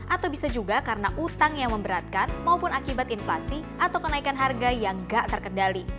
atau bisa juga karena utang yang memberatkan maupun akibat inflasi atau kenaikan harga yang gak terkendali